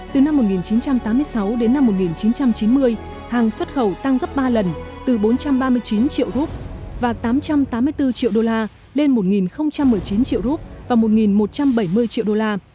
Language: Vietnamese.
từ năm một nghìn chín trăm tám mươi sáu đến năm một nghìn chín trăm chín mươi hàng xuất khẩu tăng gấp ba lần từ bốn trăm ba mươi chín triệu rup và tám trăm tám mươi bốn triệu đô la lên một một mươi chín triệu rup và một một trăm bảy mươi triệu đô la